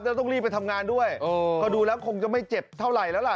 ต้องรีบไปทำงานด้วยก็ดูแล้วคงจะไม่เจ็บเท่าไหร่แล้วล่ะ